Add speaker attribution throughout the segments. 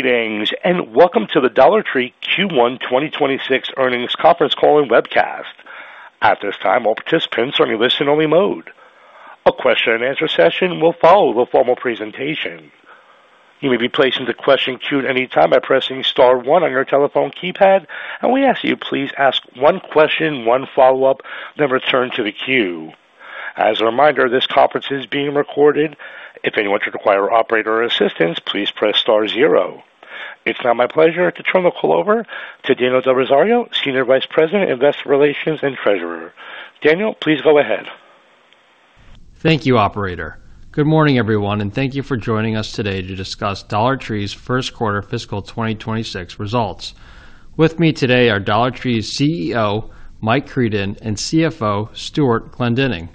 Speaker 1: Greetings, and welcome to the Dollar Tree Q1 2026 earnings conference call and webcast. At this time participants are in listen-only mode. A question-and-answer question will follow after the formal presentation. You will be placed in the question queue any time by pressing star one on your keypad and we ask you to ask one question and one follow up and return to the queue. A reminder that this call is being recorded. If you need Operator's assistance press star zero. It's now my pleasure to turn the call over to Daniel Delrosario, Senior Vice President, Investor Relations, and Treasurer. Daniel, please go ahead.
Speaker 2: Thank you, operator. Good morning, everyone, and thank you for joining us today to discuss Dollar Tree's first quarter fiscal 2026 results. With me today are Dollar Tree's Chief Executive Officer, Mike Creedon, and Chief Financial Officer, Stewart Glendinning.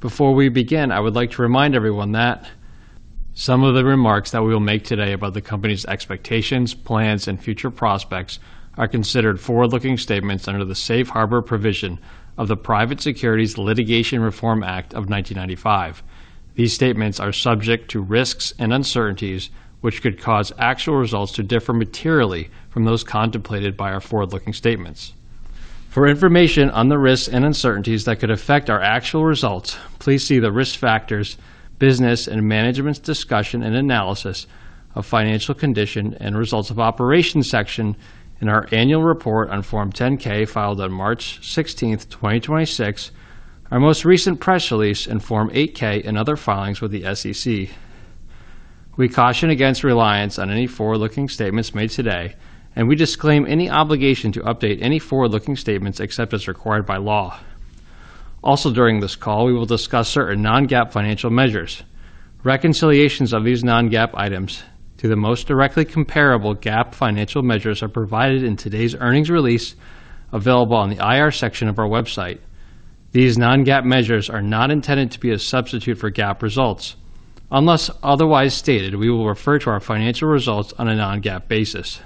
Speaker 2: Before we begin, I would like to remind everyone that some of the remarks that we will make today about the company's expectations, plans, and future prospects are considered forward-looking statements under the safe harbor provision of the Private Securities Litigation Reform Act of 1995. These statements are subject to risks and uncertainties, which could cause actual results to differ materially from those contemplated by our forward-looking statements. For information on the risks and uncertainties that could affect our actual results, please see the Risk Factors, Business and Management's Discussion and Analysis of Financial Condition and Results of Operation section in our annual report on Form 10-K filed on March 16th, 2026, our most recent press release, and Form 8-K and other filings with the SEC. We caution against reliance on any forward-looking statements made today, and we disclaim any obligation to update any forward-looking statements except as required by law. Also during this call, we will discuss certain non-GAAP financial measures. Reconciliations of these non-GAAP items to the most directly comparable GAAP financial measures are provided in today's earnings release, available on the IR section of our website. These non-GAAP measures are not intended to be a substitute for GAAP results. Unless otherwise stated, we will refer to our financial results on a non-GAAP basis.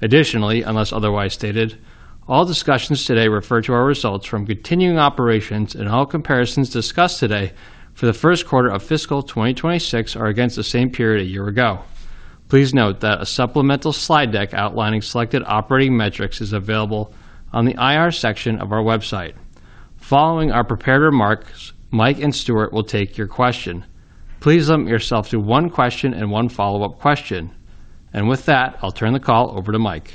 Speaker 2: Additionally, unless otherwise stated, all discussions today refer to our results from continuing operations, and all comparisons discussed today for the first quarter of fiscal 2026 are against the same period a year ago. Please note that a supplemental slide deck outlining selected operating metrics is available on the IR section of our website. Following our prepared remarks, Mike and Stewart will take your question. Please limit yourself to one question and one follow-up question. With that, I'll turn the call over to Mike.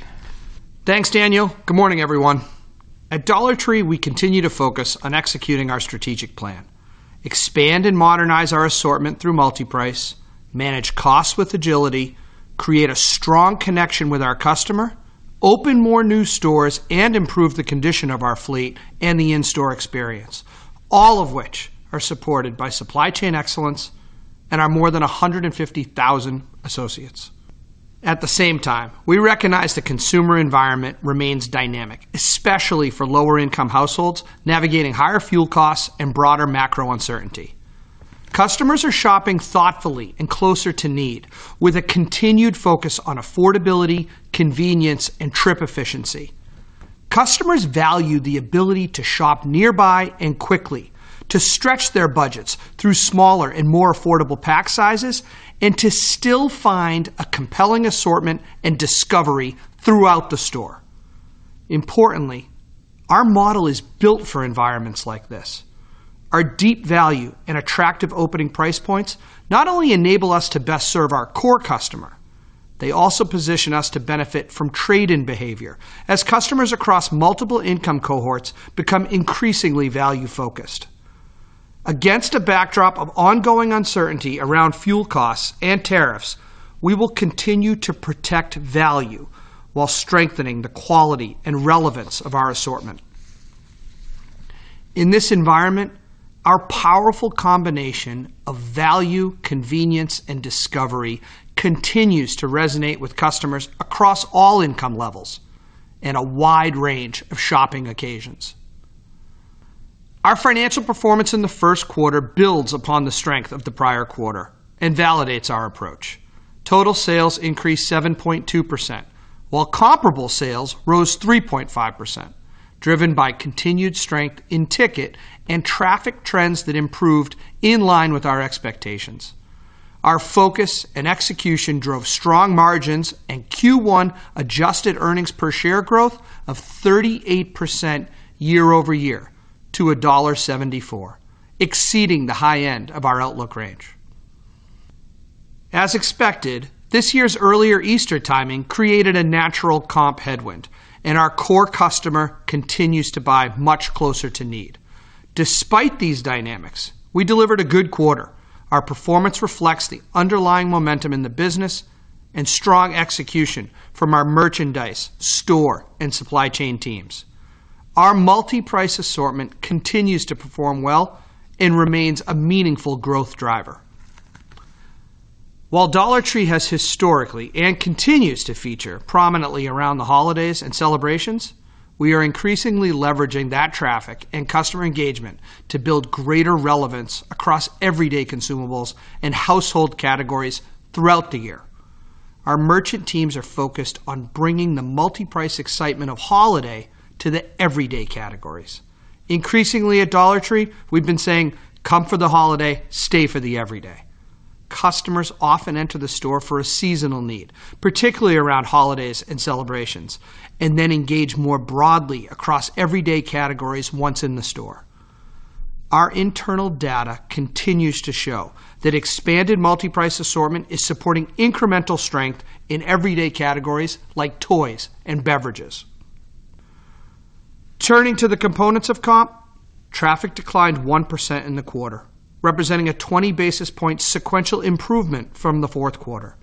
Speaker 3: Thanks, Daniel. Good morning everyone? At Dollar Tree, we continue to focus on executing our strategic plan, expand and modernize our assortment through multi-price, manage costs with agility, create a strong connection with our customer, open more new stores, and improve the condition of our fleet and the in-store experience, all of which are supported by supply chain excellence and our more than 150,000 associates. At the same time, we recognize the consumer environment remains dynamic, especially for lower-income households navigating higher fuel costs and broader macro uncertainty. Customers are shopping thoughtfully and closer to need, with a continued focus on affordability, convenience, and trip efficiency. Customers value the ability to shop nearby and quickly, to stretch their budgets through smaller and more affordable pack sizes, and to still find a compelling assortment and discovery throughout the store. Importantly, our model is built for environments like this. Our deep value and attractive opening price points not only enable us to best serve our core customer, they also position us to benefit from trade-in behavior as customers across multiple income cohorts become increasingly value-focused. Against a backdrop of ongoing uncertainty around fuel costs and tariffs, we will continue to protect value while strengthening the quality and relevance of our assortment. In this environment, our powerful combination of value, convenience, and discovery continues to resonate with customers across all income levels and a wide range of shopping occasions. Our financial performance in the first quarter builds upon the strength of the prior quarter and validates our approach. Total sales increased 7.2%, while comparable sales rose 3.5%, driven by continued strength in ticket and traffic trends that improved in line with our expectations. Our focus and execution drove strong margins and Q1 adjusted EPS growth of 38% year-over-year to $1.74, exceeding the high end of our outlook range. As expected, this year's earlier Easter timing created a natural comp headwind, and our core customer continues to buy much closer to need. Despite these dynamics, we delivered a good quarter. Our performance reflects the underlying momentum in the business and strong execution from our merchandise, store, and supply chain teams. Our multi-price assortment continues to perform well and remains a meaningful growth driver. While Dollar Tree has historically, and continues to feature prominently around the holidays and celebrations, we are increasingly leveraging that traffic and customer engagement to build greater relevance across everyday consumables and household categories throughout the year. Our merchant teams are focused on bringing the multi-price excitement of holiday to the everyday categories. Increasingly at Dollar Tree, we've been saying, Come for the holiday, stay for the everyday. Customers often enter the store for a seasonal need, particularly around holidays and celebrations, and then engage more broadly across everyday categories once in the store. Our internal data continues to show that expanded multi-price assortment is supporting incremental strength in everyday categories like toys and beverages. Turning to the components of comp, traffic declined 1% in the quarter, representing a 20-basis point sequential improvement from the fourth quarter.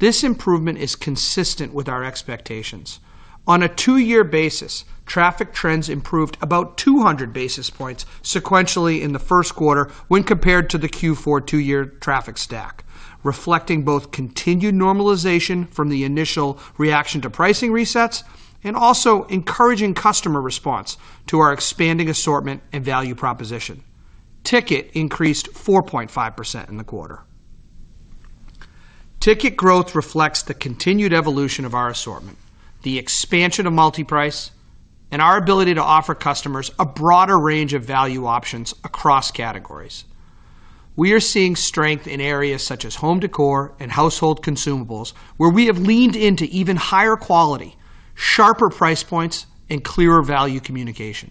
Speaker 3: This improvement is consistent with our expectations. On a two-year basis, traffic trends improved about 200 basis points sequentially in the first quarter when compared to the Q4 two-year traffic stack, reflecting both continued normalization from the initial reaction to pricing resets and also encouraging customer response to our expanding assortment and value proposition. Ticket increased 4.5% in the quarter. Ticket growth reflects the continued evolution of our assortment, the expansion of multi-price, and our ability to offer customers a broader range of value options across categories. We are seeing strength in areas such as home decor and household consumables, where we have leaned into even higher quality, sharper price points, and clearer value communication.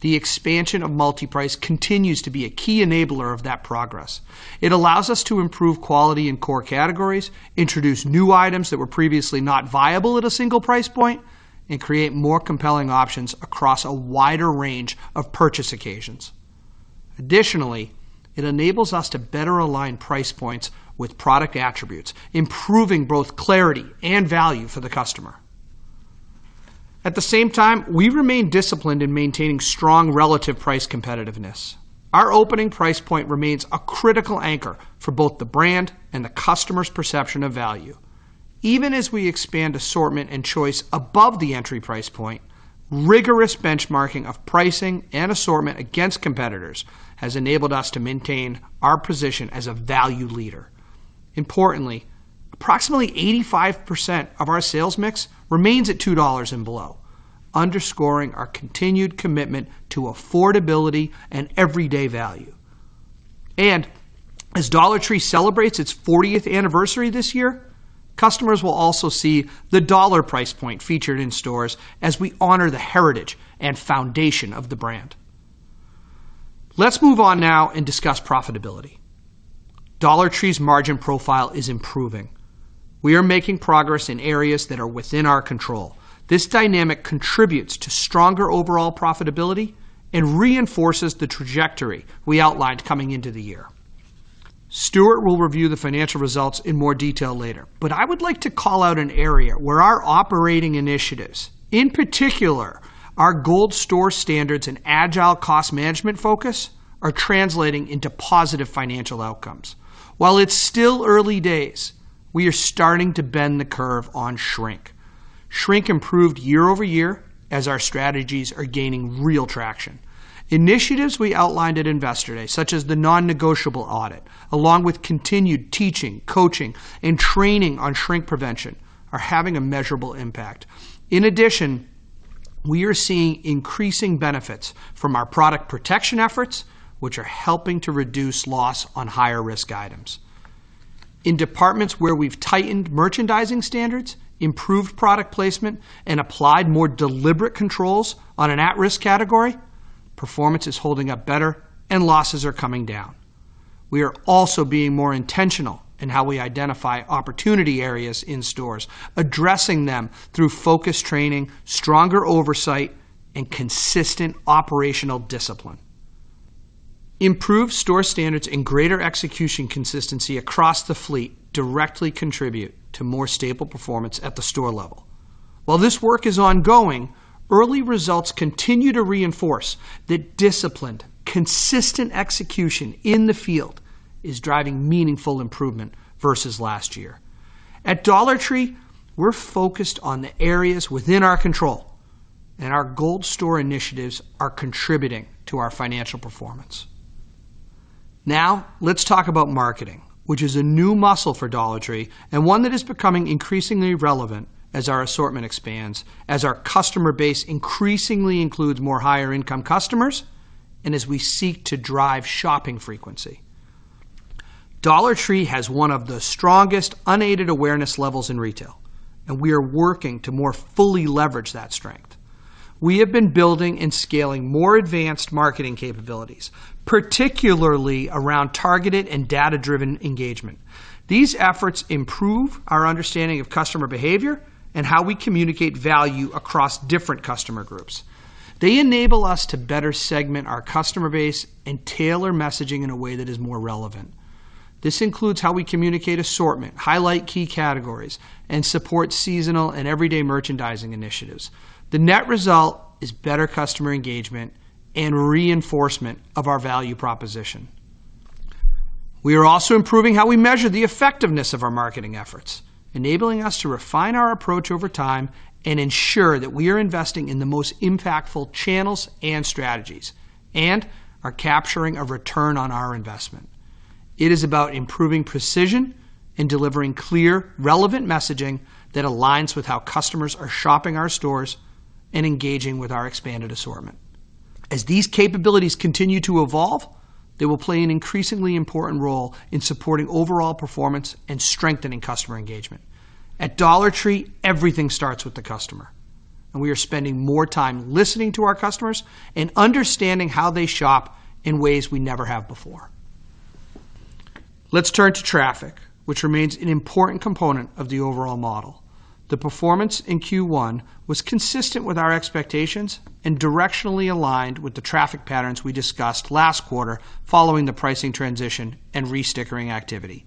Speaker 3: The expansion of multi-price continues to be a key enabler of that progress. It allows us to improve quality in core categories, introduce new items that were previously not viable at a single price point, and create more compelling options across a wider range of purchase occasions. Additionally, it enables us to better align price points with product attributes, improving both clarity and value for the customer. At the same time, we remain disciplined in maintaining strong relative price competitiveness. Our opening price point remains a critical anchor for both the brand and the customer's perception of value. Even as we expand assortment and choice above the entry price point, rigorous benchmarking of pricing and assortment against competitors has enabled us to maintain our position as a value leader. Importantly, approximately 85% of our sales mix remains at $2 and below, underscoring our continued commitment to affordability and everyday value. As Dollar Tree celebrates its 40th anniversary this year, customers will also see the dollar price point featured in stores as we honor the heritage and foundation of the brand. Let's move on now and discuss profitability. Dollar Tree's margin profile is improving. We are making progress in areas that are within our control. This dynamic contributes to stronger overall profitability and reinforces the trajectory we outlined coming into the year. Stewart will review the financial results in more detail later, but I would like to call out an area where our operating initiatives, in particular, our Gold store standards and agile cost management focus, are translating into positive financial outcomes. While it's still early days, we are starting to bend the curve on shrink. Shrink improved year over year as our strategies are gaining real traction. Initiatives we outlined at Investor Day, such as the non-negotiable audit, along with continued teaching, coaching, and training on shrink prevention, are having a measurable impact. In addition, we are seeing increasing benefits from our product protection efforts, which are helping to reduce loss on higher-risk items. In departments where we've tightened merchandising standards, improved product placement, and applied more deliberate controls on an at-risk category, performance is holding up better and losses are coming down. We are also being more intentional in how we identify opportunity areas in stores, addressing them through focus training, stronger oversight, and consistent operational discipline. Improved store standards and greater execution consistency across the fleet directly contribute to more stable performance at the store level. While this work is ongoing, early results continue to reinforce that disciplined, consistent execution in the field is driving meaningful improvement versus last year. At Dollar Tree, we're focused on the areas within our control, and our Gold store initiatives are contributing to our financial performance. Now, let's talk about marketing, which is a new muscle for Dollar Tree and one that is becoming increasingly relevant as our assortment expands, as our customer base increasingly includes more higher-income customers, and as we seek to drive shopping frequency. Dollar Tree has one of the strongest unaided awareness levels in retail, and we are working to more fully leverage that strength. We have been building and scaling more advanced marketing capabilities, particularly around targeted and data-driven engagement. These efforts improve our understanding of customer behavior and how we communicate value across different customer groups. They enable us to better segment our customer base and tailor messaging in a way that is more relevant. This includes how we communicate assortment, highlight key categories, and support seasonal and everyday merchandising initiatives. The net result is better customer engagement and reinforcement of our value proposition. We are also improving how we measure the effectiveness of our marketing efforts, enabling us to refine our approach over time and ensure that we are investing in the most impactful channels and strategies and are capturing a return on our investment. It is about improving precision and delivering clear, relevant messaging that aligns with how customers are shopping our stores and engaging with our expanded assortment. As these capabilities continue to evolve, they will play an increasingly important role in supporting overall performance and strengthening customer engagement. At Dollar Tree, everything starts with the customer, and we are spending more time listening to our customers and understanding how they shop in ways we never have before. Let's turn to traffic, which remains an important component of the overall model. The performance in Q1 was consistent with our expectations and directionally aligned with the traffic patterns we discussed last quarter following the pricing transition and restickering activity.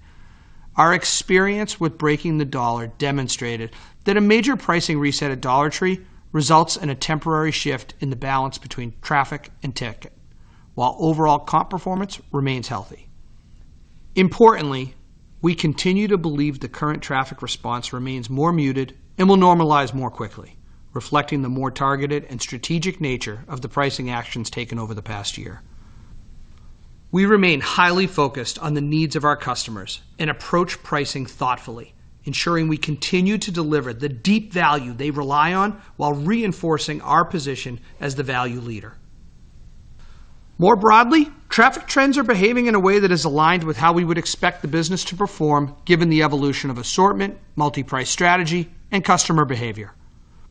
Speaker 3: Our experience with breaking the dollar demonstrated that a major pricing reset at Dollar Tree results in a temporary shift in the balance between traffic and ticket, while overall comp performance remains healthy. Importantly, we continue to believe the current traffic response remains more muted and will normalize more quickly, reflecting the more targeted and strategic nature of the pricing actions taken over the past year. We remain highly focused on the needs of our customers and approach pricing thoughtfully, ensuring we continue to deliver the deep value they rely on while reinforcing our position as the value leader. More broadly, traffic trends are behaving in a way that is aligned with how we would expect the business to perform given the evolution of assortment, multi-price strategy, and customer behavior.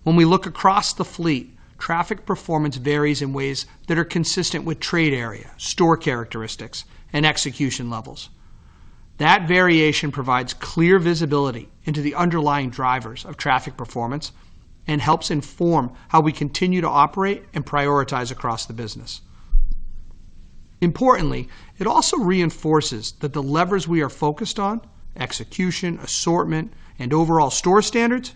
Speaker 3: When we look across the fleet, traffic performance varies in ways that are consistent with trade area, store characteristics, and execution levels. That variation provides clear visibility into the underlying drivers of traffic performance and helps inform how we continue to operate and prioritize across the business. Importantly, it also reinforces that the levers we are focused on, execution, assortment, and overall store standards,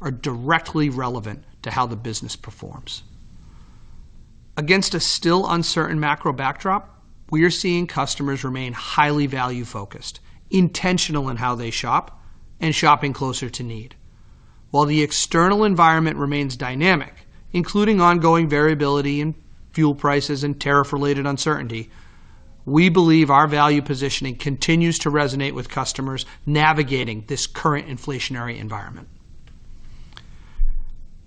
Speaker 3: are directly relevant to how the business performs. Against a still uncertain macro backdrop, we are seeing customers remain highly value-focused, intentional in how they shop, and shopping closer to need. While the external environment remains dynamic, including ongoing variability in fuel prices and tariff-related uncertainty, we believe our value positioning continues to resonate with customers navigating this current inflationary environment.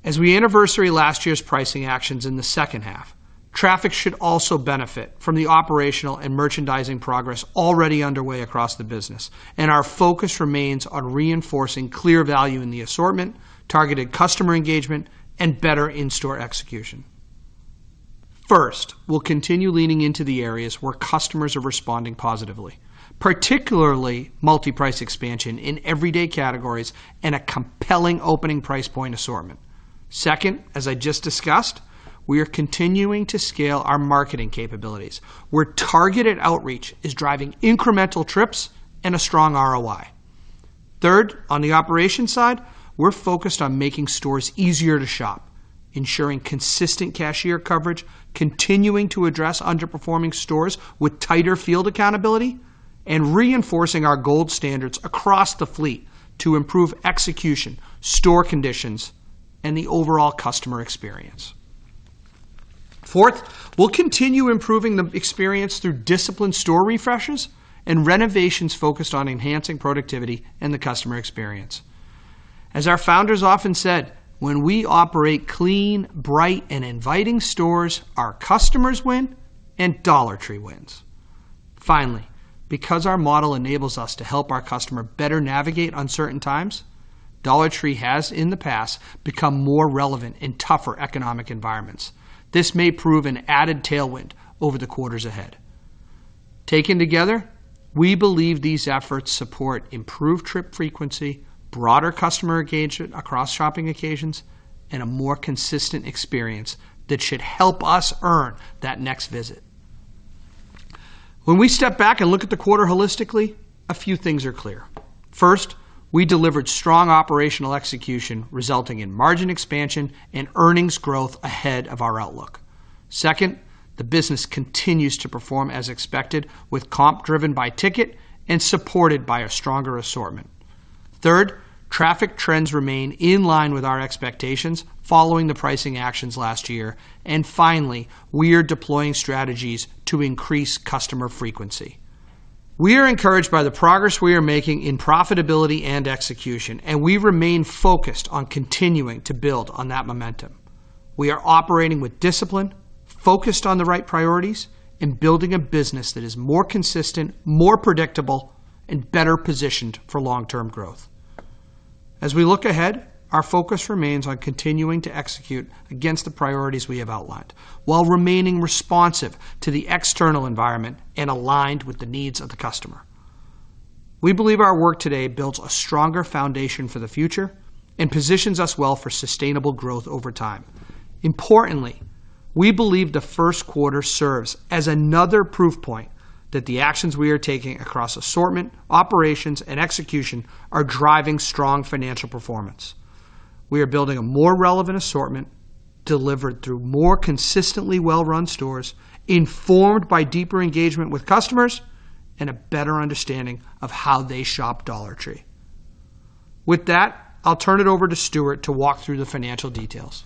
Speaker 3: As we anniversary last year's pricing actions in the second half, traffic should also benefit from the operational and merchandising progress already underway across the business, and our focus remains on reinforcing clear value in the assortment, targeted customer engagement, and better in-store execution. First, we'll continue leaning into the areas where customers are responding positively, particularly multi-price expansion in everyday categories and a compelling opening price point assortment. Second, as I just discussed, we are continuing to scale our marketing capabilities, where targeted outreach is driving incremental trips and a strong ROI. Third, on the operations side, we're focused on making stores easier to shop, ensuring consistent cashier coverage, continuing to address underperforming stores with tighter field accountability, and reinforcing our G.O.L.D. standards across the fleet to improve execution, store conditions, and the overall customer experience. Fourth, we'll continue improving the experience through disciplined store refreshes and renovations focused on enhancing productivity and the customer experience. As our founders often said, when we operate clean, bright, and inviting stores, our customers win and Dollar Tree wins. Finally, because our model enables us to help our customer better navigate uncertain times, Dollar Tree has, in the past, become more relevant in tougher economic environments. This may prove an added tailwind over the quarters ahead. Taken together, we believe these efforts support improved trip frequency, broader customer engagement across shopping occasions, and a more consistent experience that should help us earn that next visit. When we step back and look at the quarter holistically, a few things are clear. First, we delivered strong operational execution, resulting in margin expansion and earnings growth ahead of our outlook. Second, the business continues to perform as expected, with comp driven by ticket and supported by a stronger assortment. Third, traffic trends remain in line with our expectations following the pricing actions last year. Finally, we are deploying strategies to increase customer frequency. We are encouraged by the progress we are making in profitability and execution, and we remain focused on continuing to build on that momentum. We are operating with discipline, focused on the right priorities, and building a business that is more consistent, more predictable, and better positioned for long-term growth. As we look ahead, our focus remains on continuing to execute against the priorities we have outlined while remaining responsive to the external environment and aligned with the needs of the customer. We believe our work today builds a stronger foundation for the future and positions us well for sustainable growth over time. Importantly, we believe the first quarter serves as another proof point that the actions we are taking across assortment, operations, and execution are driving strong financial performance. We are building a more relevant assortment delivered through more consistently well-run stores, informed by deeper engagement with customers and a better understanding of how they shop Dollar Tree. With that, I'll turn it over to Stewart to walk through the financial details.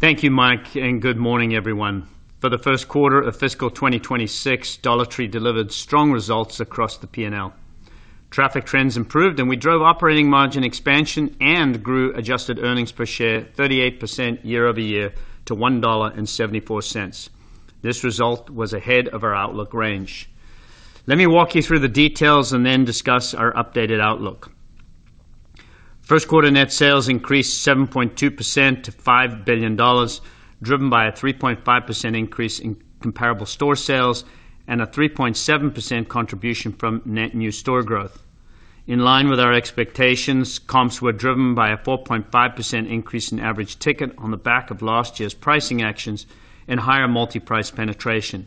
Speaker 4: Thank you, Mike, and good morning everyone? For the first quarter of fiscal 2026, Dollar Tree delivered strong results across the P&L. Traffic trends improved, and we drove operating margin expansion and grew adjusted EPS 38% year-over-year to $1.74. This result was ahead of our outlook range. Let me walk you through the details and then discuss our updated outlook. First quarter net sales increased 7.2% to $5 billion, driven by a 3.5% increase in comparable store sales and a 3.7% contribution from net new store growth. In line with our expectations, comps were driven by a 4.5% increase in average ticket on the back of last year's pricing actions and higher multi-price penetration.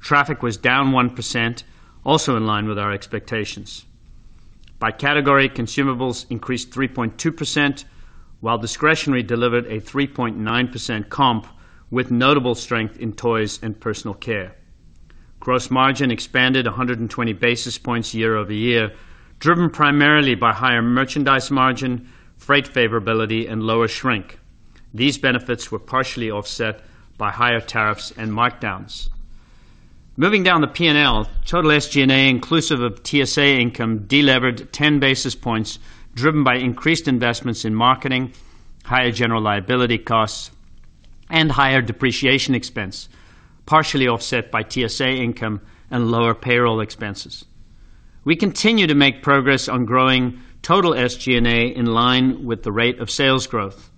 Speaker 4: Traffic was down 1%, also in line with our expectations. By category, consumables increased 3.2%, while discretionary delivered a 3.9% comp with notable strength in toys and personal care. Gross margin expanded 120 basis points year-over-year, driven primarily by higher merchandise margin, freight favorability, and lower shrink. These benefits were partially offset by higher tariffs and markdowns. Moving down the P&L, total SG&A inclusive of TSA income delevered 10 basis points driven by increased investments in marketing, higher general liability costs, and higher depreciation expense, partially offset by TSA income and lower payroll expenses. We continue to make progress on growing total SG&A in line with the rate of sales growth.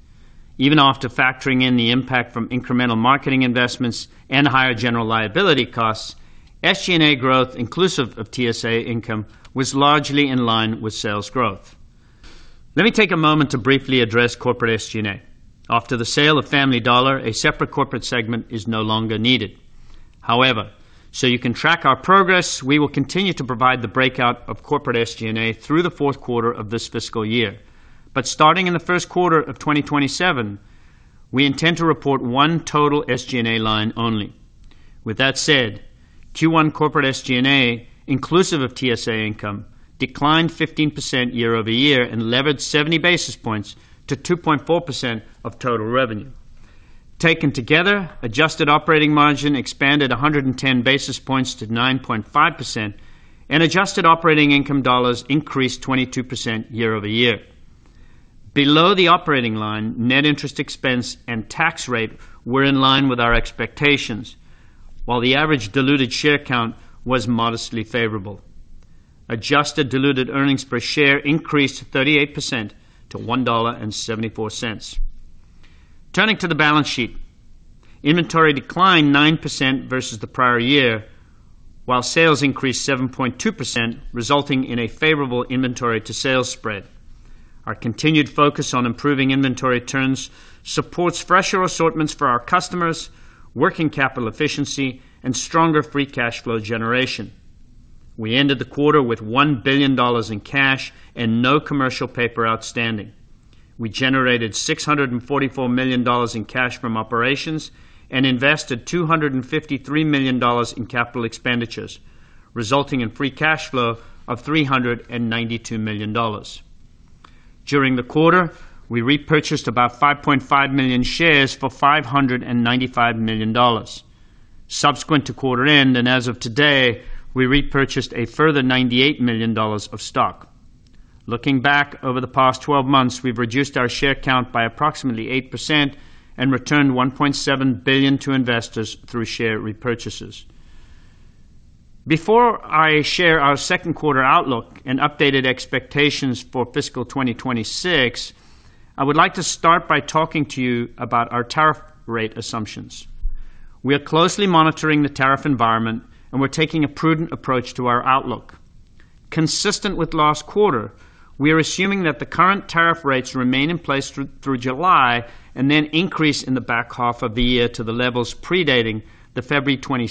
Speaker 4: Even after factoring in the impact from incremental marketing investments and higher general liability costs, SG&A growth inclusive of TSA income was largely in line with sales growth. Let me take a moment to briefly address corporate SG&A. After the sale of Family Dollar, a separate corporate segment is no longer needed. However, you can track our progress, we will continue to provide the breakout of corporate SG&A through the fourth quarter of this fiscal year. Starting in the first quarter of 2027, we intend to report one total SG&A line only. With that said, Q1 corporate SG&A, inclusive of TSA income, declined 15% year-over-year and levered 70 basis points to 2.4% of total revenue. Taken together, adjusted operating margin expanded 110 basis points to 9.5%, and adjusted operating income dollars increased 22% year-over-year. Below the operating line, net interest expense and tax rate were in line with our expectations, while the average diluted share count was modestly favorable. Adjusted diluted earnings per share increased 38% to $1.74. Turning to the balance sheet, inventory declined 9% versus the prior year, while sales increased 7.2%, resulting in a favorable inventory-to-sales spread. Our continued focus on improving inventory turns supports fresher assortments for our customers, working capital efficiency, and stronger free cash flow generation. We ended the quarter with $1 billion in cash and no commercial paper outstanding. We generated $644 million in cash from operations and invested $253 million in capital expenditures, resulting in free cash flow of $392 million. During the quarter, we repurchased about 5.5 million shares for $595 million. Subsequent to quarter-end and as of today, we repurchased a further $98 million of stock. Looking back over the past 12 months, we've reduced our share count by approximately 8% and returned $1.7 billion to investors through share repurchases. Before I share our second quarter outlook and updated expectations for fiscal 2026, I would like to start by talking to you about our tariff rate assumptions. We are closely monitoring the tariff environment, and we're taking a prudent approach to our outlook. Consistent with last quarter, we are assuming that the current tariff rates remain in place through July and then increase in the back half of the year to the levels predating the February 20,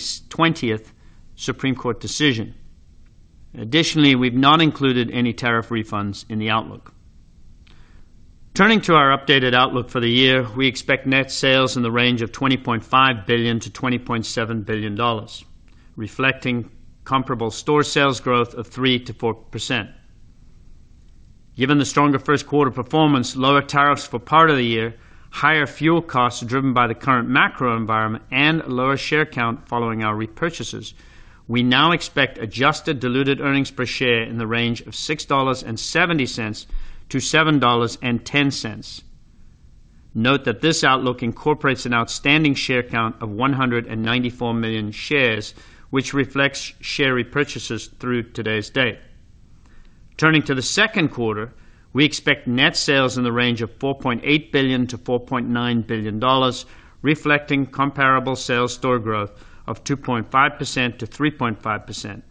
Speaker 4: Supreme Court decision. Additionally, we've not included any tariff refunds in the outlook. Turning to our updated outlook for the year, we expect net sales in the range of $20.5 billion to $20.7 billion, reflecting comparable store sales growth of 3% to 4%. Given the stronger first quarter performance, lower tariffs for part of the year, higher fuel costs driven by the current macro environment, and lower share count following our repurchases, we now expect adjusted diluted earnings per share in the range of $6.70 to $7.10. Note that this outlook incorporates an outstanding share count of 194 million shares, which reflects share repurchases through today's date. Turning to the second quarter, we expect net sales in the range of $4.8 billion-$4.9 billion, reflecting comparable sales store growth of 2.5%-3.5%.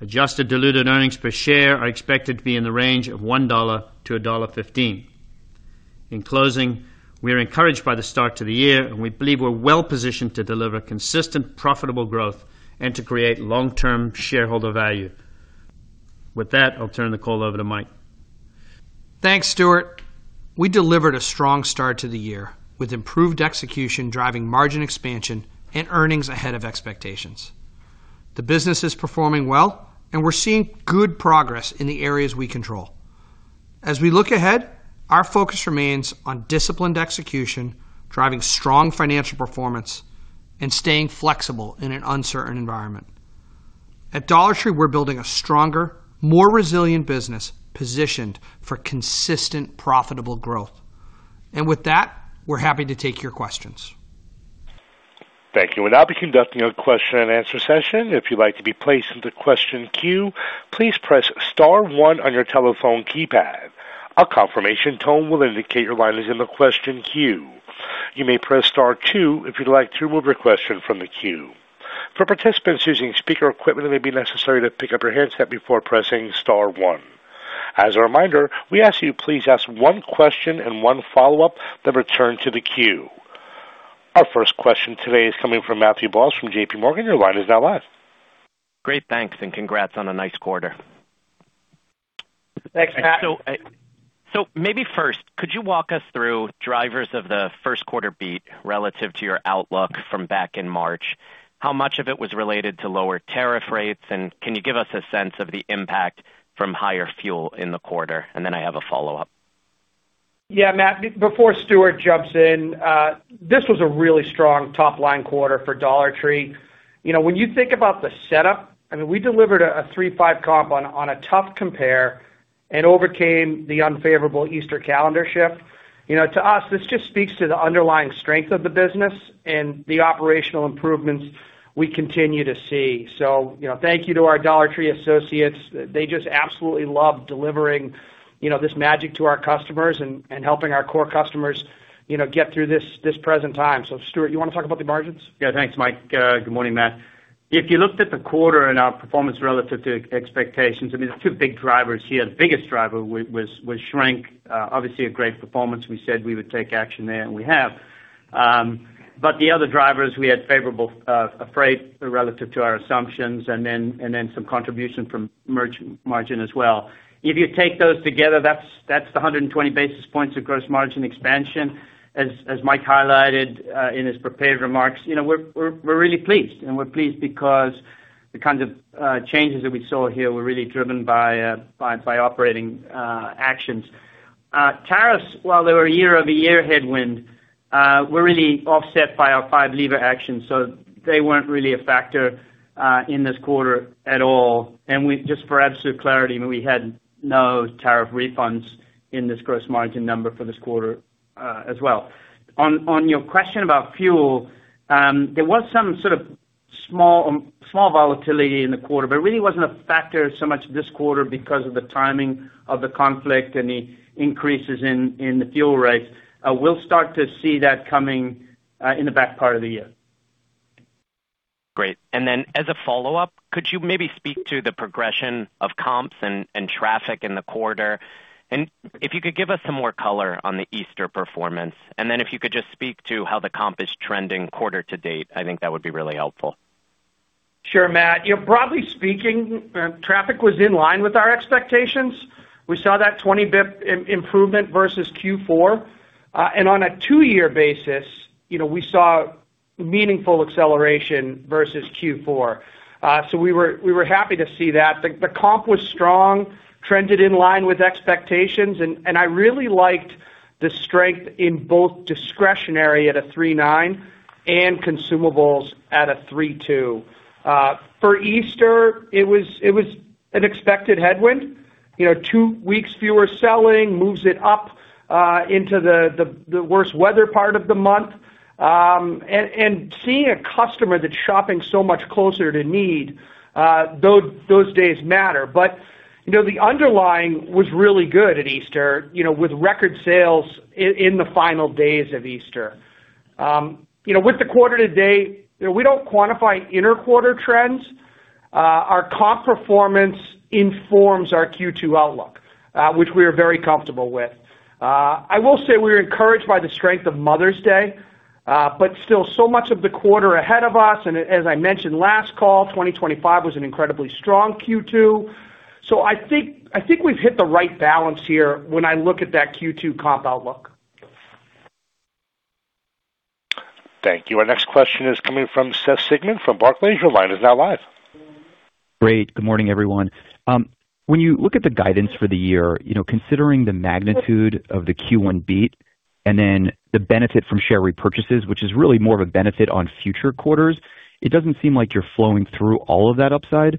Speaker 4: Adjusted diluted earnings per share are expected to be in the range of $1-$1.15. In closing, we are encouraged by the start to the year, we believe we're well-positioned to deliver consistent, profitable growth and to create long-term shareholder value. With that, I'll turn the call over to Mike.
Speaker 3: Thanks, Stewart. We delivered a strong start to the year, with improved execution driving margin expansion and earnings ahead of expectations. The business is performing well, and we're seeing good progress in the areas we control. As we look ahead, our focus remains on disciplined execution, driving strong financial performance, and staying flexible in an uncertain environment. At Dollar Tree, we're building a stronger, more resilient business positioned for consistent profitable growth. With that, we're happy to take your questions.
Speaker 1: Thank you. We'll now be conducting a question-and-answer session. If you would like to be placed in question queue press star one on your telephone keypad. A confirmation one will confirm you are in the question queue. To remove your question press star two. For participants use speakers need to pick up their headset before pressing star one. You reminded to ask one question and one follow up, the return to the queue. Our first question today is coming from Matthew Boss from JPMorgan, your line is now live.
Speaker 5: Great, thanks, and congrats on a nice quarter.
Speaker 3: Thanks, Matt.
Speaker 5: Maybe first, could you walk us through drivers of the first quarter beat relative to your outlook from back in March? How much of it was related to lower tariff rates, can you give us a sense of the impact from higher fuel in the quarter? Then I have a follow-up.
Speaker 3: Yeah, Matt, before Stewart jumps in, this was a really strong top-line quarter for Dollar Tree. When you think about the setup, we delivered a 3.5% comp on a tough compare and overcame the unfavorable Easter calendar shift. To us, this just speaks to the underlying strength of the business and the operational improvements we continue to see. Thank you to our Dollar Tree associates. They just absolutely love delivering this magic to our customers and helping our core customers get through this present time. Stewart, you want to talk about the margins?
Speaker 4: Yeah, thanks, Mike. Good morning Matt? If you looked at the quarter and our performance relative to expectations, there's two big drivers here. The biggest driver was shrink. Obviously, a great performance. We said we would take action there, and we have. The other drivers, we had favorable freight relative to our assumptions and then some contribution from margin as well. If you take those together, that's the 120 basis points of gross margin expansion. As Mike highlighted in his prepared remarks, we're really pleased, and we're pleased because the kinds of changes that we saw here were really driven by operating actions. Tariffs, while they were a year-over-year headwind, were really offset by our five lever actions, so they weren't really a factor in this quarter at all. Just for absolute clarity, we had no tariff refunds in this gross margin number for this quarter as well. On your question about fuel, there was some sort of small volatility in the quarter. It really wasn't a factor so much this quarter because of the timing of the conflict and the increases in the fuel rates. We'll start to see that coming in the back part of the year.
Speaker 5: Great. As a follow-up, could you maybe speak to the progression of comps and traffic in the quarter? If you could give us some more color on the Easter performance, and then if you could just speak to how the comp is trending quarter to date, I think that would be really helpful.
Speaker 3: Sure, Matt. Broadly speaking, traffic was in line with our expectations. We saw that 20 basis points improvement versus Q4. On a two-year basis, we saw meaningful acceleration versus Q4. We were happy to see that. The comp was strong, trended in line with expectations, and I really liked the strength in both discretionary at a 3.9% and consumables at a 3.2%. For Easter, it was an expected headwind. Two weeks fewer selling moves it up into the worst weather part of the month. Seeing a customer that's shopping so much closer to need, those days matter. The underlying was really good at Easter with record sales in the final days of Easter. With the quarter to date, we don't quantify inter-quarter trends. Our comp performance informs our Q2 outlook, which we are very comfortable with. I will say we're encouraged by the strength of Mother's Day but still so much of the quarter ahead of us. As I mentioned last call, 2025 was an incredibly strong Q2. I think we've hit the right balance here when I look at that Q2 comp outlook.
Speaker 1: Thank you. Our next question is coming from Seth Sigman from Barclays, your line is now live.
Speaker 6: Great. Good morning, everyone. When you look at the guidance for the year, considering the magnitude of the Q1 beat and then the benefit from share repurchases, which is really more of a benefit on future quarters, it doesn't seem like you're flowing through all of that upside to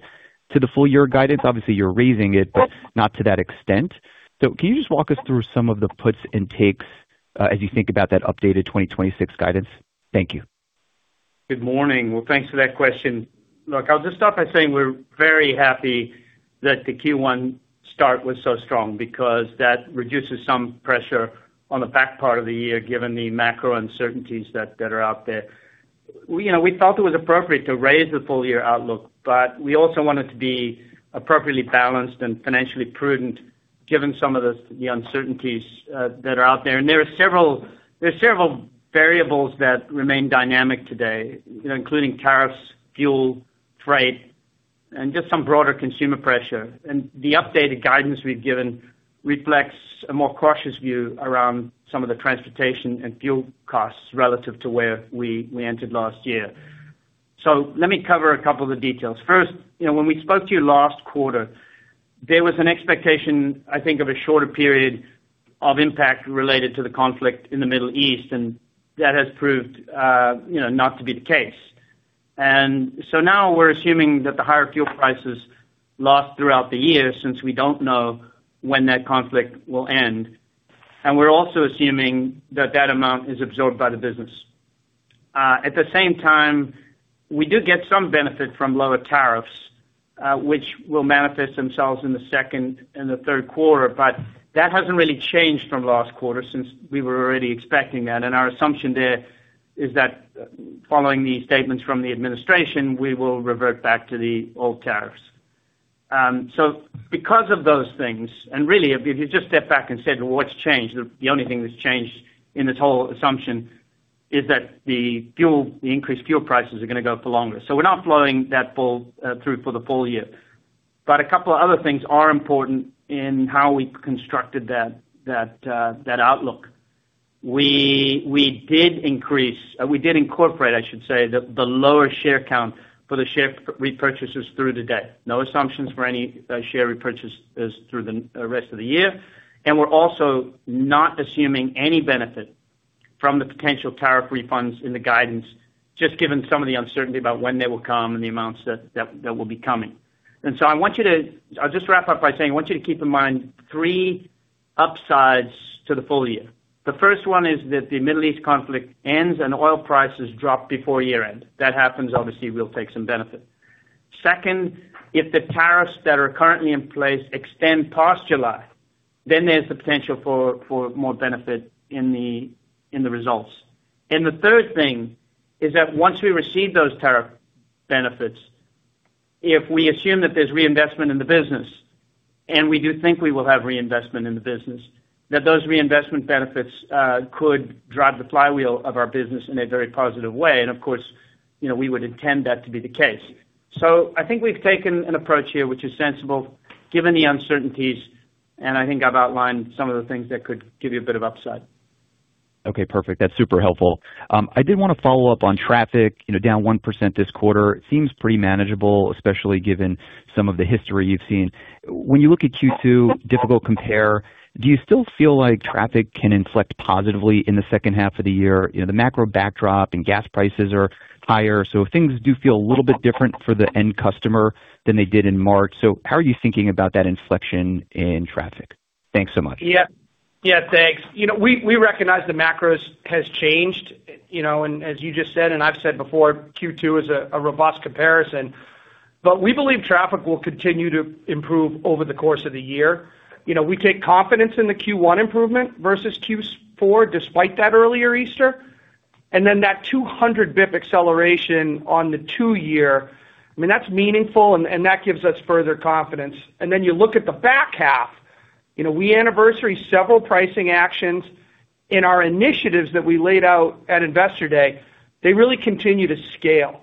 Speaker 6: the full-year guidance. Obviously, you're raising it, not to that extent. Can you just walk us through some of the puts and takes as you think about that updated 2026 guidance? Thank you.
Speaker 4: Good morning. Well, thanks for that question. Look, I'll just start by saying we're very happy that the Q1 start was so strong because that reduces some pressure on the back part of the year, given the macro uncertainties that are out there. We thought it was appropriate to raise the full-year outlook, but we also wanted to be appropriately balanced and financially prudent given some of the uncertainties that are out there. There are several variables that remain dynamic today including tariffs, fuel, trade, and just some broader consumer pressure. The updated guidance we've given reflects a more cautious view around some of the transportation and fuel costs relative to where we entered last year. Let me cover a couple of the details. When we spoke to you last quarter, there was an expectation, I think, of a shorter period of impact related to the conflict in the Middle East, that has proved not to be the case. Now we're assuming that the higher fuel prices last throughout the year, since we don't know when that conflict will end. We're also assuming that that amount is absorbed by the business. At the same time, we do get some benefit from lower tariffs, which will manifest themselves in the second and the third quarter, that hasn't really changed from last quarter since we were already expecting that. Our assumption there is that following the statements from the administration, we will revert back to the old tariffs. Because of those things, and really, if you just step back and said, well, what's changed? The only thing that's changed in this whole assumption is that the increased fuel prices are going to go for longer. We're not flowing that through for the full year. A couple of other things are important in how we constructed that outlook. We did incorporate, I should say, the lower share count for the share repurchases through the day. No assumptions for any share repurchases through the rest of the year, and we're also not assuming any benefit from the potential tariff refunds in the guidance, just given some of the uncertainty about when they will come and the amounts that will be coming. I'll just wrap up by saying, I want you to keep in mind three upsides to the full year. The first one is that the Middle East conflict ends and oil prices drop before year-end. That happens, obviously, we'll take some benefit. If the tariffs that are currently in place extend past July, then there's the potential for more benefit in the results. The third thing is that once we receive those tariff benefits, if we assume that there's reinvestment in the business, and we do think we will have reinvestment in the business, that those reinvestment benefits could drive the flywheel of our business in a very positive way. Of course, we would intend that to be the case. I think we've taken an approach here which is sensible given the uncertainties, and I think I've outlined some of the things that could give you a bit of upside.
Speaker 6: Okay, perfect. That's super helpful. I did want to follow up on traffic, down 1% this quarter. It seems pretty manageable, especially given some of the history you've seen. When you look at Q2, difficult compare, do you still feel like traffic can inflect positively in the second half of the year? The macro backdrop and gas prices are higher, so things do feel a little bit different for the end customer than they did in March. How are you thinking about that inflection in traffic? Thanks so much.
Speaker 3: Yeah. Thanks. We recognize the macro has changed. As you just said, and I've said before, Q2 is a robust comparison. We believe traffic will continue to improve over the course of the year. We take confidence in the Q1 improvement versus Q4, despite that earlier Easter. That 200 basis point acceleration on the two-year, I mean, that's meaningful, that gives us further confidence. You look at the back half, we anniversary several pricing actions in our initiatives that we laid out at Investor Day. They really continue to scale.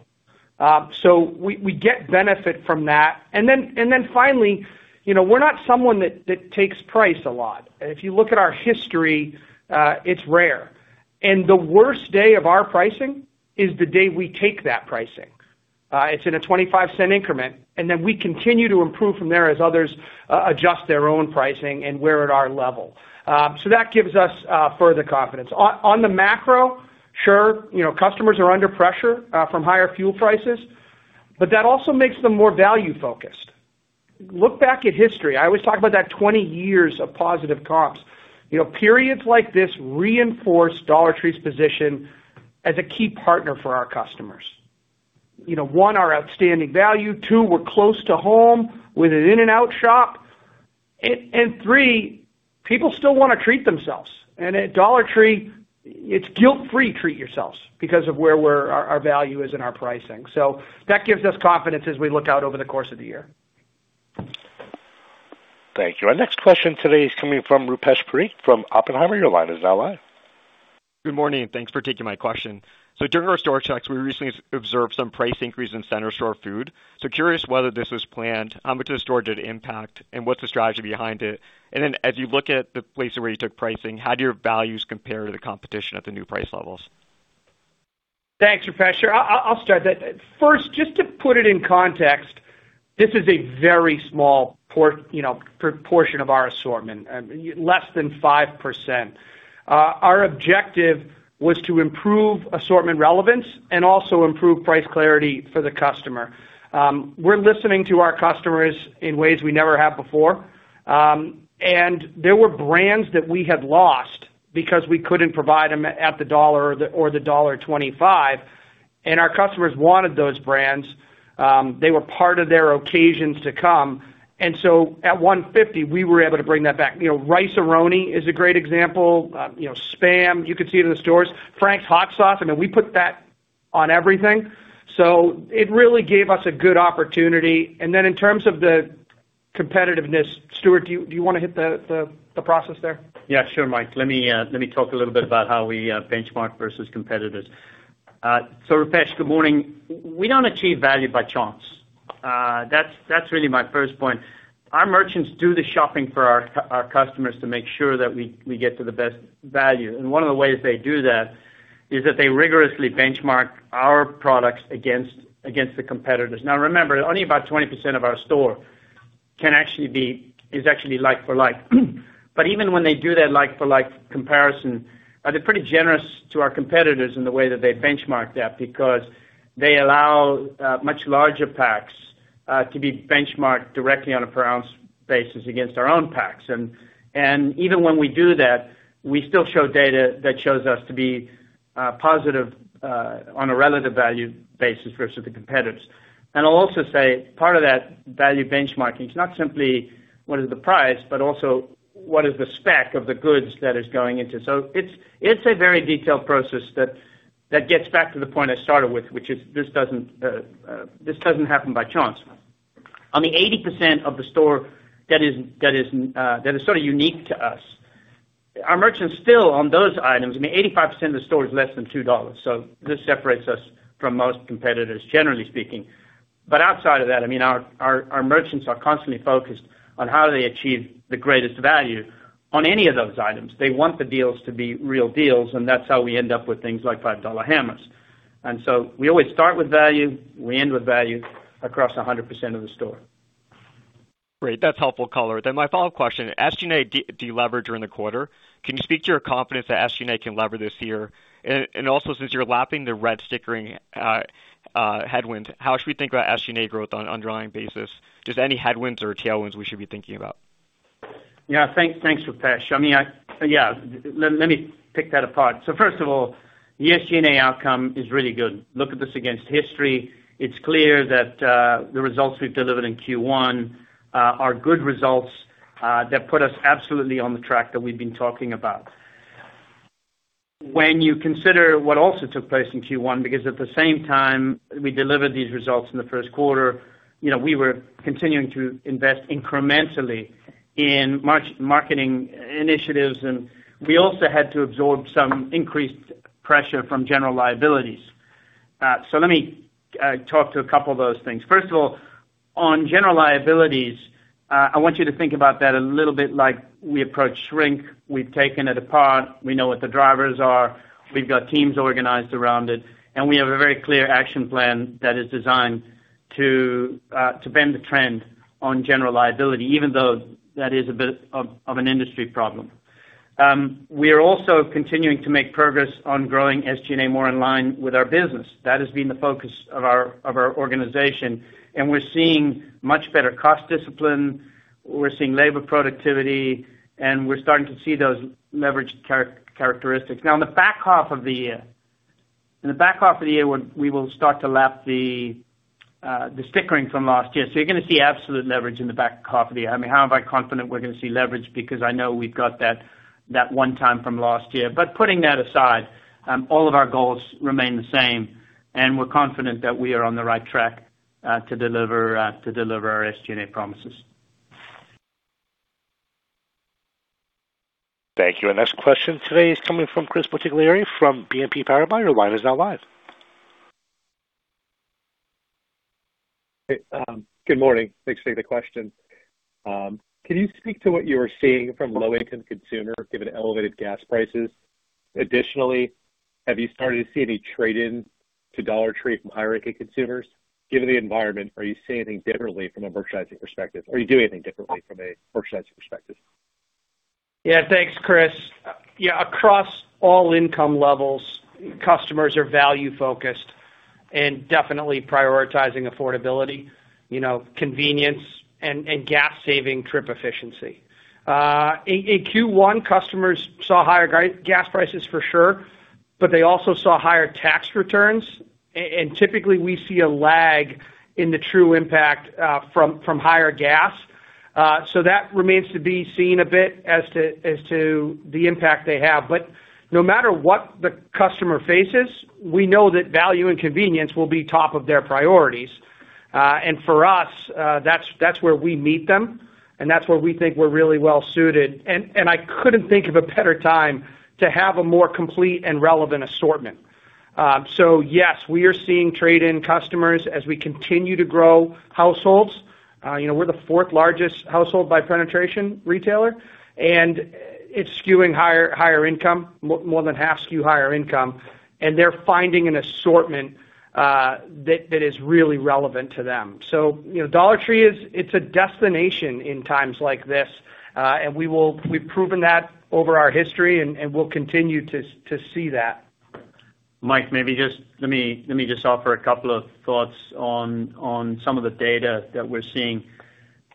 Speaker 3: We get benefit from that. Finally, we're not someone that takes price a lot. If you look at our history, it's rare. The worst day of our pricing is the day we take that pricing. It's in a $0.25 increment, and then we continue to improve from there as others adjust their own pricing and we're at our level. That gives us further confidence. On the macro, sure, customers are under pressure from higher fuel prices, but that also makes them more value-focused. Look back at history. I always talk about that 20 years of positive comps. Periods like this reinforce Dollar Tree's position as a key partner for our customers. One, our outstanding value, two, we're close to home with an in and out shop, and three, people still want to treat themselves. At Dollar Tree, it's guilt-free treat yourselves because of where our value is and our pricing. That gives us confidence as we look out over the course of the year.
Speaker 1: Thank you. Our next question today is coming from Rupesh Parikh from Oppenheimer, your line is now live.
Speaker 7: Good morning, thanks for taking my question. During our store checks, we recently observed some price increase in center store food. Curious whether this was planned, how much of the store did it impact, and what's the strategy behind it? As you look at the places where you took pricing, how do your values compare to the competition at the new price levels?
Speaker 3: Thanks, Rupesh. Sure, I'll start that. First, just to put it in context, this is a very small portion of our assortment, less than 5%. Our objective was to improve assortment relevance and also improve price clarity for the customer. There were brands that we had lost because we couldn't provide them at the dollar or the $1.25, and our customers wanted those brands. They were part of their occasions to come. At $1.50, we were able to bring that back. Rice-A-Roni is a great example. SPAM, you could see it in the stores. Frank's RedHot, I mean, we put that on everything. It really gave us a good opportunity. Then in terms of the competitiveness, Stewart, do you want to hit the process there?
Speaker 4: Yeah, sure, Mike. Let me talk a little bit about how we benchmark versus competitors. Rupesh, good morning. We don't achieve value by chance. That's really my first point. Our merchants do the shopping for our customers to make sure that we get to the best value. One of the ways they do that is that they rigorously benchmark our products against the competitors. Now, remember, only about 20% of our store is actually like for like. Even when they do their like for like comparison, they're pretty generous to our competitors in the way that they benchmark that, because they allow much larger packs to be benchmarked directly on a per ounce basis against our own packs. Even when we do that, we still show data that shows us to be positive on a relative value basis versus the competitors. I'll also say, part of that value benchmarking is not simply what is the price, but also what is the spec of the goods that is going into. It's a very detailed process that gets back to the point I started with, which is this doesn't happen by chance. On the 80% of the store that is sort of unique to us, our merchants still, on those items, I mean, 85% of the store is less than $2. This separates us from most competitors, generally speaking. Outside of that, our merchants are constantly focused on how they achieve the greatest value on any of those items. They want the deals to be real deals, and that's how we end up with things like $5 hammers. We always start with value. We end with value across 100% of the store.
Speaker 7: Great. That's helpful color. My follow-up question, SG&A delevered during the quarter. Can you speak to your confidence that SG&A can lever this year? Since you're lapping the red stickering headwinds, how should we think about SG&A growth on underlying basis? Just any headwinds or tailwinds we should be thinking about?
Speaker 4: Thanks, Rupesh. First of all, the SG&A outcome is really good. Look at this against history. It's clear that the results we've delivered in Q1 are good results that put us absolutely on the track that we've been talking about. When you consider what also took place in Q1, because at the same time we delivered these results in the first quarter, we were continuing to invest incrementally in marketing initiatives, we also had to absorb some increased pressure from general liabilities. Let me talk to a couple of those things. First of all, on general liabilities, I want you to think about that a little bit like we approach shrink. We've taken it apart. We know what the drivers are. We've got teams organized around it, and we have a very clear action plan that is designed to bend the trend on general liability, even though that is a bit of an industry problem. We are also continuing to make progress on growing SG&A more in line with our business. That has been the focus of our organization, and we're seeing much better cost discipline. We're seeing labor productivity, and we're starting to see those leverage characteristics. In the back half of the year, we will start to lap the stickering from last year. You're going to see absolute leverage in the back half of the year. How am I confident we're going to see leverage? I know we've got that one time from last year. Putting that aside, all of our goals remain the same, and we're confident that we are on the right track to deliver our SG&A promises.
Speaker 1: Thank you. Our next question today is coming from Chris Bottiglieri from BNP Paribas.
Speaker 8: Good morning? Thanks for taking the question. Can you speak to what you are seeing from low-income consumer given elevated gas prices? Have you started to see any trade-in to Dollar Tree from higher income consumers? Given the environment, are you seeing anything differently from a merchandising perspective? Are you doing anything differently from a merchandising perspective?
Speaker 3: Yeah, thanks, Chris. Yeah, across all income levels, customers are value-focused and definitely prioritizing affordability, convenience, and gas-saving trip efficiency. In Q1, customers saw higher gas prices for sure. They also saw higher tax returns. Typically, we see a lag in the true impact from higher gas. That remains to be seen a bit as to the impact they have. No matter what the customer faces, we know that value and convenience will be top of their priorities. For us, that's where we meet them, and that's where we think we're really well suited. I couldn't think of a better time to have a more complete and relevant assortment. Yes, we are seeing trade-in customers as we continue to grow households. We're the fourth largest household by penetration retailer, and it's skewing higher income, more than half skew higher income, and they're finding an assortment that is really relevant to them. Dollar Tree, it's a destination in times like this. We've proven that over our history, and we'll continue to see that.
Speaker 4: Mike, let me just offer a couple of thoughts on some of the data that we're seeing.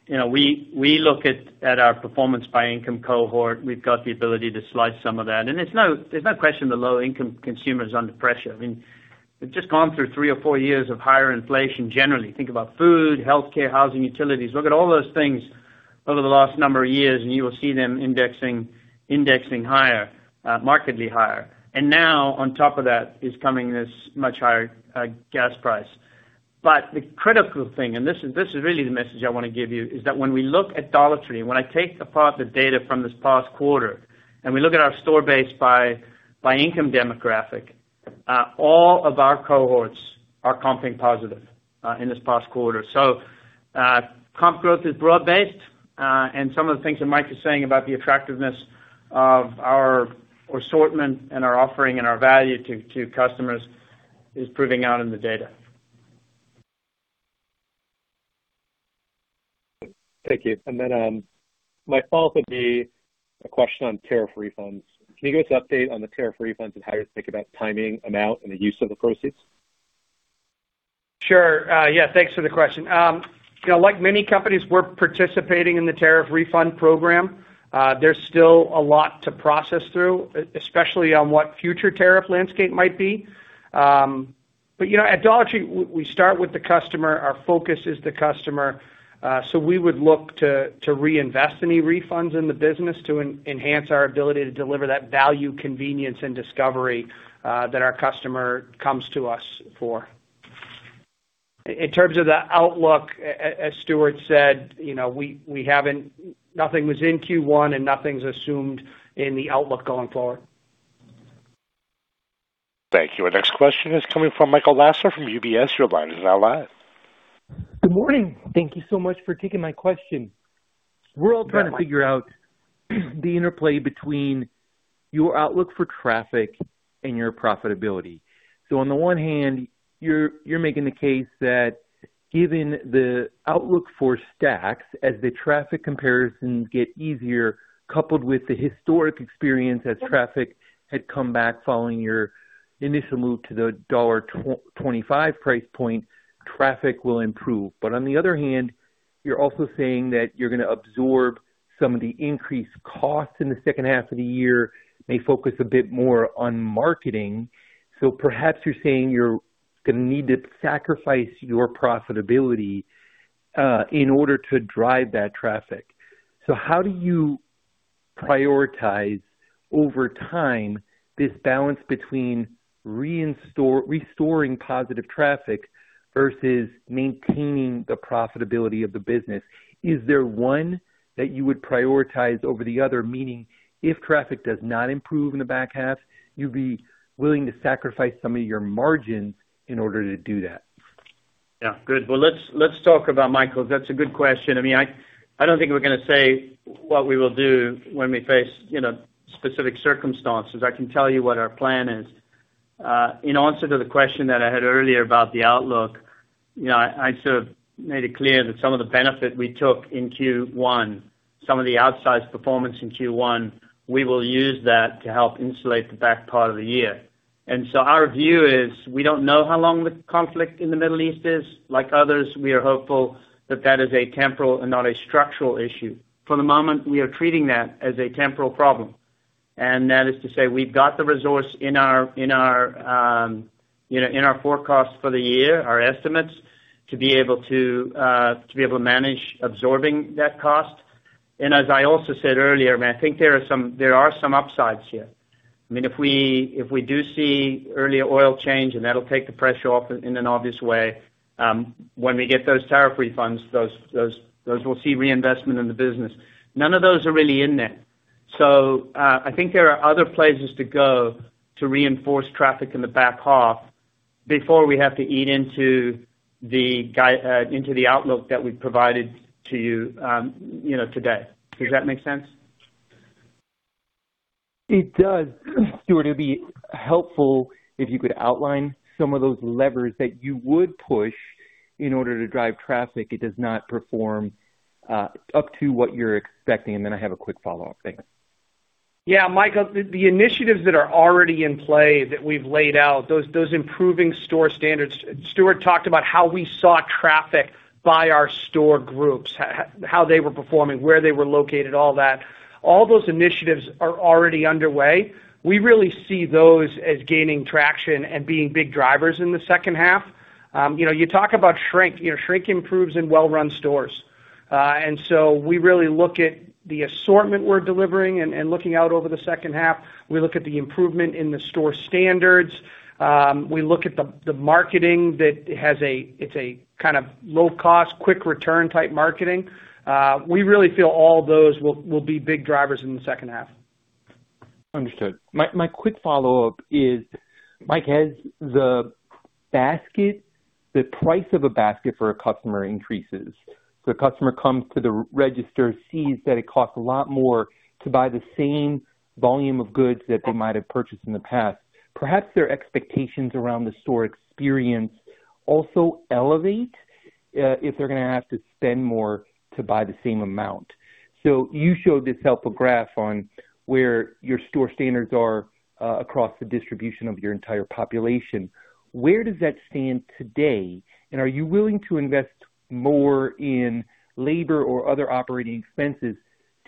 Speaker 4: We look at our performance by income cohort. We've got the ability to slice some of that. There's no question the low-income consumer is under pressure. We've just gone through three or four years of higher inflation, generally. Think about food, healthcare, housing, utilities. Look at all those things over the last number of years, you will see them indexing higher, markedly higher. Now, on top of that is coming this much higher gas price. The critical thing, and this is really the message I want to give you, is that when we look at Dollar Tree, when I take apart the data from this past quarter, we look at our store base by income demographic. All of our cohorts are comping positive in this past quarter. Comp growth is broad-based, and some of the things that Mike is saying about the attractiveness of our assortment and our offering and our value to customers is proving out in the data.
Speaker 8: Thank you. My follow-up would be a question on tariff refunds. Can you give us an update on the tariff refunds and how you think about timing, amount, and the use of the proceeds?
Speaker 3: Sure. Thanks for the question. Like many companies, we're participating in the tariff refund program. There's still a lot to process through, especially on what future tariff landscape might be. At Dollar Tree, we start with the customer. Our focus is the customer. We would look to reinvest any refunds in the business to enhance our ability to deliver that value, convenience, and discovery that our customer comes to us for. In terms of the outlook, as Stewart said, nothing was in Q1 and nothing's assumed in the outlook going forward.
Speaker 1: Thank you. Our next question is coming from Michael Lasser from UBS, your line is now live.
Speaker 9: Good morning? Thank you so much for taking my question.
Speaker 3: Yeah, Michael.
Speaker 9: We're all trying to figure out the interplay between your outlook for traffic and your profitability. On the one hand, you're making the case that given the outlook for stacks as the traffic comparisons get easier, coupled with the historic experience as traffic had come back following your initial move to the $1.25 price point, traffic will improve. On the other hand, you're also saying that you're going to absorb some of the increased costs in the second half of the year, may focus a bit more on marketing. Perhaps you're saying you're going to need to sacrifice your profitability in order to drive that traffic. How do you prioritize over time this balance between restoring positive traffic versus maintaining the profitability of the business? Is there one that you would prioritize over the other? Meaning, if traffic does not improve in the back half, you'd be willing to sacrifice some of your margin in order to do that.
Speaker 4: Well, let's talk about Michael's. That's a good question. I don't think we're going to say what we will do when we face specific circumstances. I can tell you what our plan is. In answer to the question that I had earlier about the outlook, I sort of made it clear that some of the benefit we took in Q1, some of the outsized performance in Q1, we will use that to help insulate the back part of the year. Our view is, we don't know how long the conflict in the Middle East is. Like others, we are hopeful that that is a temporal and not a structural issue. For the moment, we are treating that as a temporal problem. That is to say we've got the resource in our forecast for the year, our estimates, to be able to manage absorbing that cost. As I also said earlier, I think there are some upsides here. If we do see earlier oil change and that'll take the pressure off in an obvious way, when we get those tariff refunds, those we'll see reinvestment in the business. None of those are really in there. I think there are other places to go to reinforce traffic in the back half before we have to eat into the outlook that we provided to you today. Does that make sense?
Speaker 9: It does. Stewart, it'd be helpful if you could outline some of those levers that you would push in order to drive traffic if it does not perform up to what you're expecting. I have a quick follow-up. Thanks.
Speaker 3: Michael, the initiatives that are already in play that we've laid out, those improving store standards. Stewart talked about how we saw traffic by our store groups, how they were performing, where they were located, all that. All those initiatives are already underway. We really see those as gaining traction and being big drivers in the second half. You talk about shrink. Shrink improves in well-run stores. We really look at the assortment we're delivering and looking out over the second half. We look at the improvement in the store standards. We look at the marketing that it's a kind of low cost, quick return type marketing. We really feel all those will be big drivers in the second half.
Speaker 9: Understood. My quick follow-up is, Mike, has the price of a basket for a customer increases. The customer comes to the register, sees that it costs a lot more to buy the same volume of goods that they might have purchased in the past. Perhaps their expectations around the store experience also elevate if they're going to have to spend more to buy the same amount. You showed this helpful graph on where your store standards are across the distribution of your entire population. Where does that stand today? Are you willing to invest more in labor or other operating expenses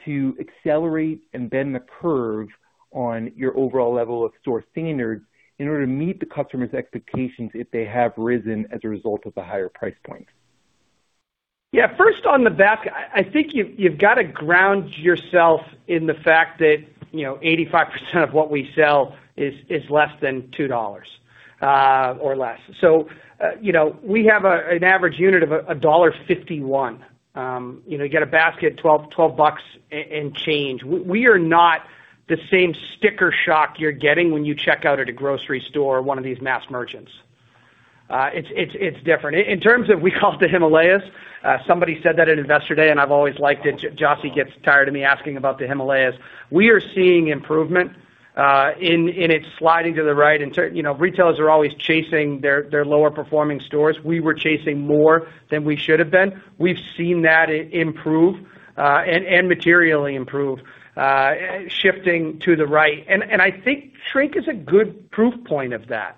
Speaker 9: to accelerate and bend the curve on your overall level of store standards in order to meet the customer's expectations if they have risen as a result of the higher price points?
Speaker 3: First on the back, I think you've got to ground yourself in the fact that 85% of what we sell is less than $2 or less. We have an average unit of $1.51. You get a basket, $12 and change. We are not the same sticker shock you're getting when you check out at a grocery store or one of these mass merchants. It's different. In terms of, we call the Himalayas, somebody said that at Investor Day, and I've always liked it. Jocy gets tired of me asking about the Himalayas. We are seeing improvement, and it's sliding to the right. Retailers are always chasing their lower performing stores. We were chasing more than we should have been. We've seen that improve, and materially improve, shifting to the right. I think shrink is a good proof point of that.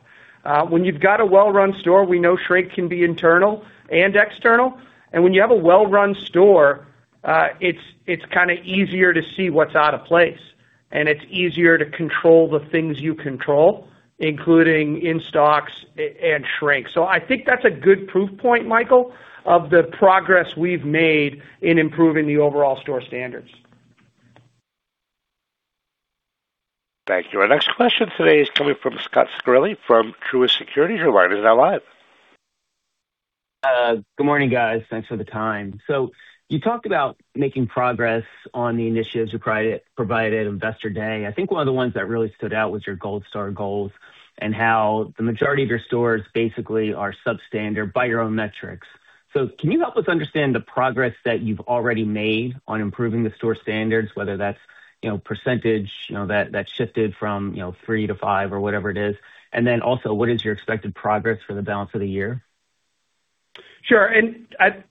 Speaker 3: When you've got a well-run store, we know shrink can be internal and external, and when you have a well-run store, it's easier to see what's out of place, and it's easier to control the things you control, including in stocks and shrink. I think that's a good proof point, Michael, of the progress we've made in improving the overall store standards.
Speaker 1: Thank you. Our next question today is coming from Scot Ciccarelli from Truist Securities, your line is now live.
Speaker 10: Good morning guys? Thanks for the time. You talked about making progress on the initiatives you provided at Investor Day. I think one of the ones that really stood out was your Gold store goals and how the majority of your stores basically are substandard by your own metrics. Can you help us understand the progress that you've already made on improving the store standards, whether that's percentage that shifted from 3% to 5% or whatever it is? What is your expected progress for the balance of the year?
Speaker 3: Sure,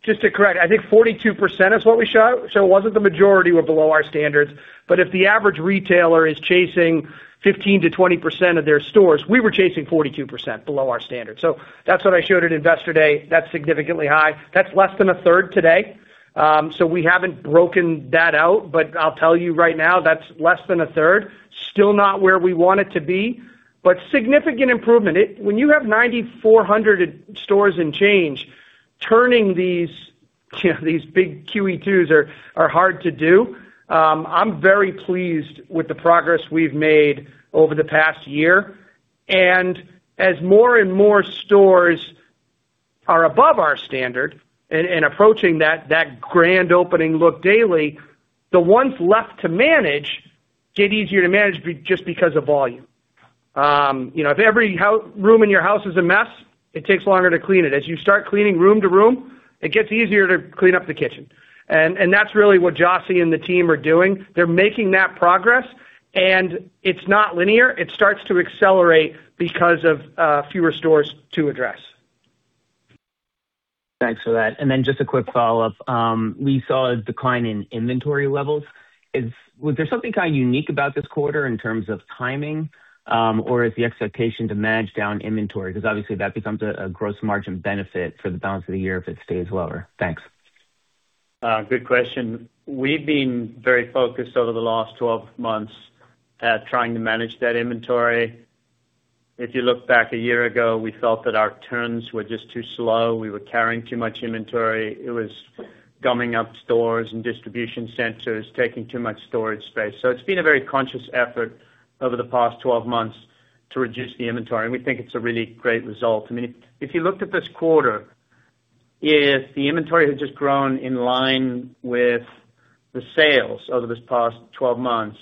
Speaker 3: just to correct, I think 42% is what we showed. It wasn't the majority were below our standards, but if the average retailer is chasing 15%-20% of their stores, we were chasing 42% below our standard. That's what I showed at Investor Day. That's significantly high. That's less than a third today. We haven't broken that out, but I'll tell you right now, that's less than a third. Still not where we want it to be, but significant improvement. When you have 9,400 stores and change, turning these big QE2s are hard to do. I'm very pleased with the progress we've made over the past year. As more and more stores are above our standard and approaching that Grand Opening Look Daily, the ones left to manage get easier to manage just because of volume. If every room in your house is a mess, it takes longer to clean it. As you start cleaning room to room, it gets easier to clean up the kitchen. That's really what Jocy and the team are doing. They're making that progress, and it's not linear. It starts to accelerate because of fewer stores to address.
Speaker 10: Thanks for that. Just a quick follow-up. We saw a decline in inventory levels. Was there something unique about this quarter in terms of timing, or is the expectation to manage down inventory? Obviously that becomes a gross margin benefit for the balance of the year if it stays lower. Thanks.
Speaker 4: Good question. We've been very focused over the last 12 months at trying to manage that inventory. If you look back a year ago, we felt that our turns were just too slow. We were carrying too much inventory. It was gumming up stores and distribution centers, taking too much storage space. It's been a very conscious effort over the past 12 months to reduce the inventory, and we think it's a really great result. If you looked at this quarter, if the inventory had just grown in line with the sales over this past 12 months,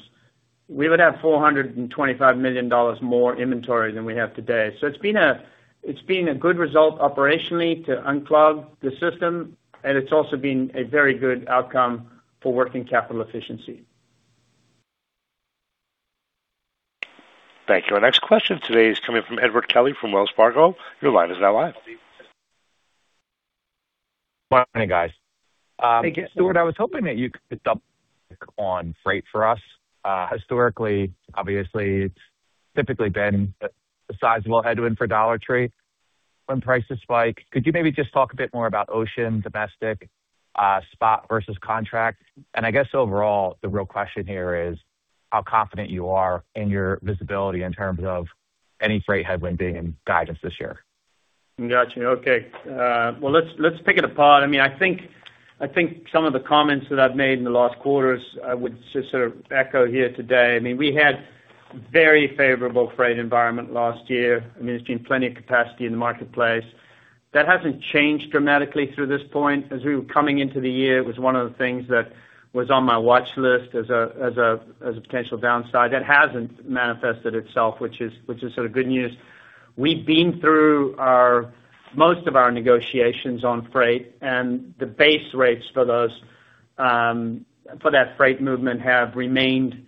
Speaker 4: we would have $425 million more inventory than we have today. It's been a good result operationally to unclog the system, and it's also been a very good outcome for working capital efficiency.
Speaker 1: Thank you. Our next question today is coming from Edward Kelly from Wells Fargo, your line is now live.
Speaker 11: Morning, guys? Hey, Stewart, I was hoping that you could dump on freight for us. Historically, obviously, it's typically been a sizable headwind for Dollar Tree when prices spike. Could you maybe just talk a bit more about ocean, domestic, spot versus contract? I guess overall, the real question here is how confident you are in your visibility in terms of any freight headwind being in guidance this year.
Speaker 4: Got you. Okay. Well, let's pick it apart. I think some of the comments that I've made in the last quarters would just sort of echo here today. We had very favorable freight environment last year. There's been plenty of capacity in the marketplace. That hasn't changed dramatically through this point. As we were coming into the year, it was one of the things that was on my watch list as a potential downside. That hasn't manifested itself, which is good news. We've been through most of our negotiations on freight, and the base rates for that freight movement have remained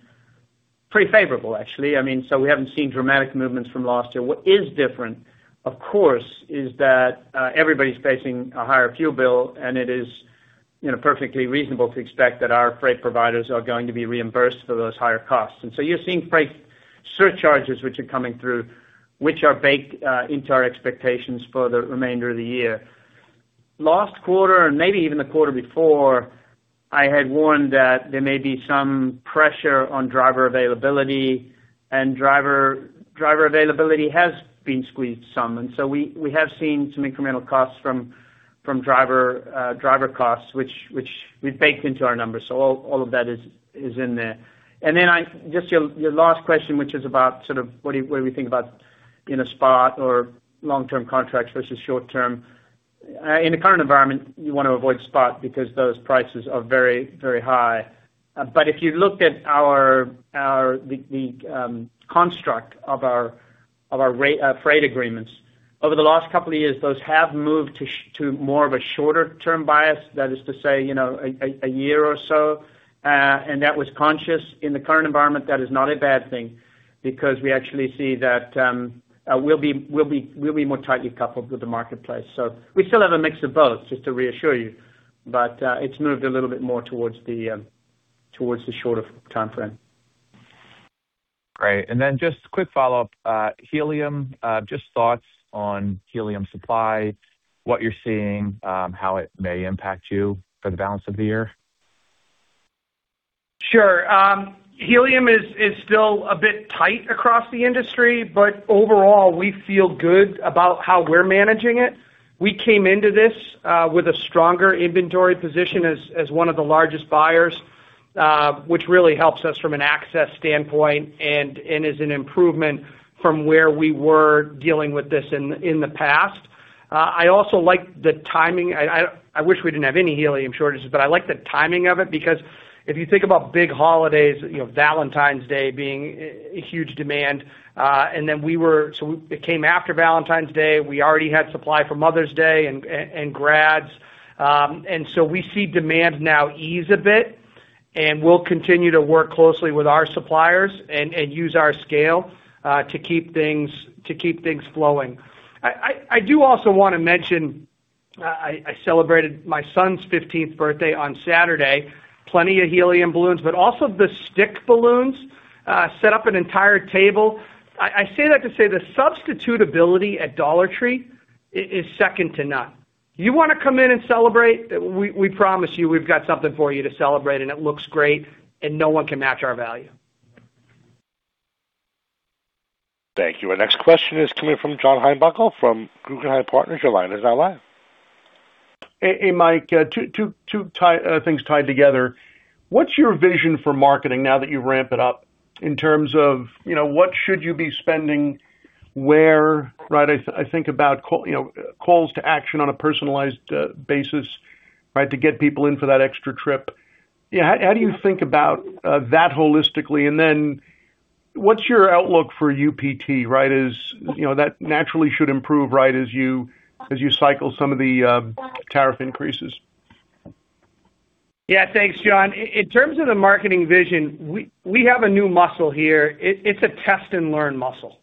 Speaker 4: pretty favorable, actually. We haven't seen dramatic movements from last year. What is different, of course, is that everybody's facing a higher fuel bill, and it is perfectly reasonable to expect that our freight providers are going to be reimbursed for those higher costs. You're seeing freight surcharges, which are coming through, which are baked into our expectations for the remainder of the year. Last quarter, and maybe even the quarter before, I had warned that there may be some pressure on driver availability, and driver availability has been squeezed some. We have seen some incremental costs from driver costs, which we've baked into our numbers. All of that is in there. Just your last question, which is about what do we think about spot or long-term contracts versus short-term. In the current environment, you want to avoid spot because those prices are very high. If you look at the construct of our freight agreements, over the last couple of years, those have moved to more of a shorter term bias. That is to say, a year or so, and that was conscious. In the current environment, that is not a bad thing because we actually see that we'll be more tightly coupled with the marketplace. We still have a mix of both, just to reassure you, but it's moved a little bit more towards the shorter timeframe.
Speaker 11: Great. Just quick follow-up. Helium, just thoughts on helium supply, what you're seeing, how it may impact you for the balance of the year?
Speaker 3: Sure. Helium is still a bit tight across the industry, but overall, we feel good about how we're managing it. We came into this with a stronger inventory position as one of the largest buyers, which really helps us from an access standpoint and is an improvement from where we were dealing with this in the past. I also like the timing. I wish we didn't have any helium shortages, but I like the timing of it because if you think about big holidays, Valentine's Day being a huge demand, so it came after Valentine's Day. We already had supply for Mother's Day and grads. We see demand now ease a bit, and we'll continue to work closely with our suppliers and use our scale, to keep things flowing. I do also want to mention, I celebrated my son's 15th birthday on Saturday, plenty of helium balloons, but also the stick balloons, set up an entire table. I say that to say the substitutability at Dollar Tree is second to none. You want to come in and celebrate? We promise you, we've got something for you to celebrate and it looks great, and no one can match our value.
Speaker 1: Thank you. Our next question is coming from John Heinbockel from Guggenheim Partners, your line is now live.
Speaker 12: Hey, Mike. Two things tied together. What's your vision for marketing now that you ramp it up in terms of what should you be spending where? I think about calls to action on a personalized basis to get people in for that extra trip. How do you think about that holistically? What's your outlook for UPT? That naturally should improve as you cycle some of the tariff increases.
Speaker 3: Yeah, thanks, John. In terms of the marketing vision, we have a new muscle here. It's a test and learn muscle.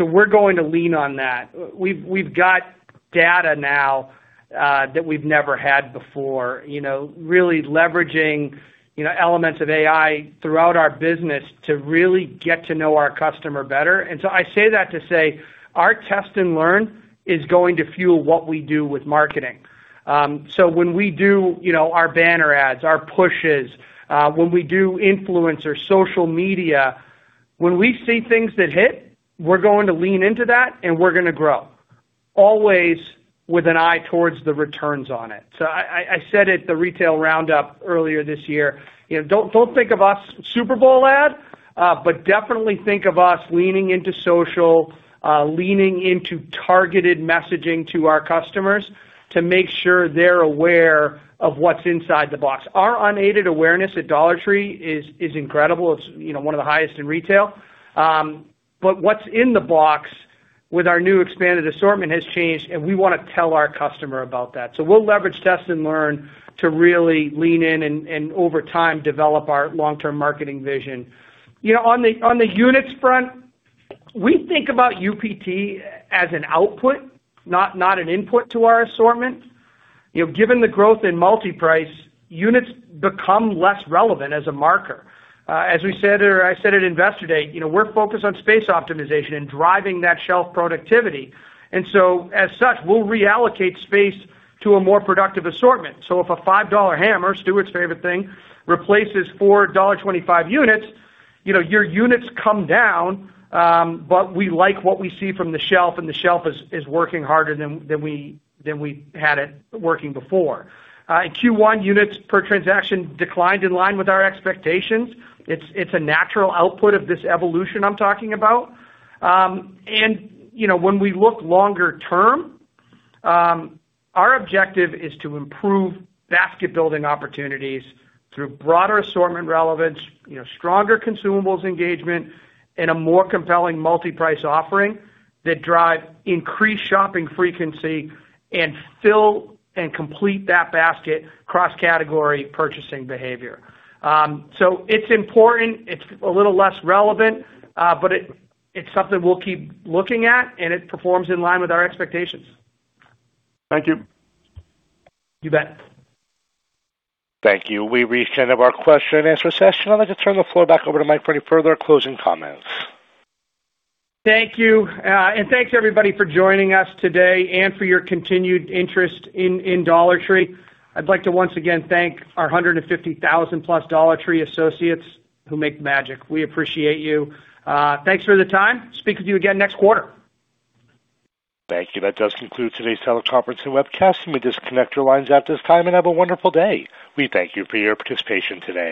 Speaker 3: We're going to lean on that. We've got data now that we've never had before, really leveraging elements of AI throughout our business to really get to know our customer better. I say that to say our test and learn is going to fuel what we do with marketing. When we do our banner ads, our pushes, when we do influencer social media, when we see things that hit, we're going to lean into that and we're going to grow, always with an eye towards the returns on it. I said at the retail roundup earlier this year, don't think of us Super Bowl ad, but definitely think of us leaning into social, leaning into targeted messaging to our customers to make sure they're aware of what's inside the box. Our unaided awareness at Dollar Tree is incredible. It's one of the highest in retail. What's in the box with our new expanded assortment has changed, and we want to tell our customer about that. We'll leverage test and learn to really lean in and over time, develop our long-term marketing vision. On the units front, we think about UPT as an output, not an input to our assortment. Given the growth in multi-price, units become less relevant as a marker. As I said at Investor Day, we're focused on space optimization and driving that shelf productivity. As such, we'll reallocate space to a more productive assortment. If a $5 hammer, Stewart's favorite thing, replaces four $1.25 units, your units come down, but we like what we see from the shelf, and the shelf is working harder than we had it working before. In Q1, units per transaction declined in line with our expectations. It's a natural output of this evolution I'm talking about. When we look longer term, our objective is to improve basket-building opportunities through broader assortment relevance, stronger consumables engagement, and a more compelling multi-price offering that drive increased shopping frequency and fill and complete that basket cross-category purchasing behavior. It's important, it's a little less relevant, but it's something we'll keep looking at and it performs in line with our expectations.
Speaker 12: Thank you.
Speaker 3: You bet.
Speaker 1: Thank you. We've reached the end of our question-and-answer session. I'd like to turn the floor back over to Mike for any further closing comments.
Speaker 3: Thank you. Thanks everybody for joining us today and for your continued interest in Dollar Tree. I'd like to once again thank our 150,000+ Dollar Tree associates who make the magic. We appreciate you. Thanks for the time. Speak with you again next quarter.
Speaker 1: Thank you. That does conclude today's teleconference and webcast. You may disconnect your lines at this time and have a wonderful day. We thank you for your participation today.